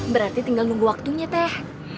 berarti tinggal nunggu waktunya teh